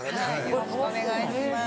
よろしくお願いします。